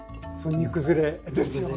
煮崩れですよね。